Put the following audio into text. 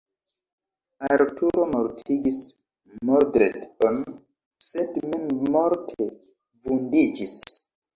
Arturo mortigis Mordred-on sed mem morte vundiĝis.